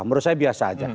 menurut saya biasa aja